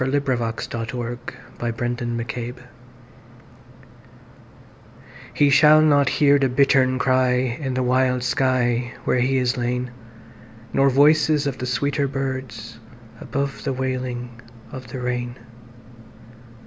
Lament for Thomas MacDonagh HE SHALL not hear the bittern cryIn the wild sky, where he is lain, Nor voices of the sweeter birds, Above the wailing of the rain.